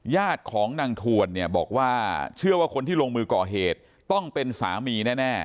ญาติของนางทวนเนี่ยบอกว่าเชื่อว่าคนที่ลงมือก่อเหตุต้องเป็นสามีแน่